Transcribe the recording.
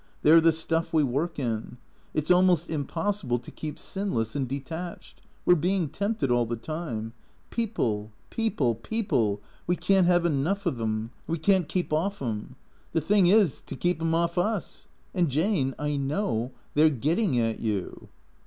They 're the stuff we work in. It 's almost impossible to keep sinless and detached. We 're being tempted all the time. Peo ple — people — people — we can't have enough of 'em ; we can't 12 THECEEATOES keep off 'em. The thing is — to keep 'em off us. And Jane, I know — they 're getting at you."